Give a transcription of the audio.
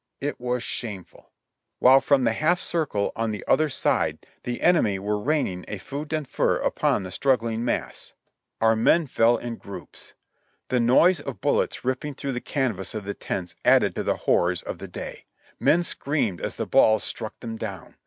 It was shameful 1 While from the half circle on the other side the enemy were raining a feu d'enfer upon the struggling mass, our men fell 136 JOHNNY RKB AND BILI,Y YANK in groups. The noise of bullets ripping through the canvas of the tents added to the horrors of the day. Men screamed as the balls struck them down.